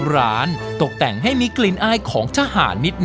ร้านตกแต่งให้มีกลิ่นอายของทหารนิด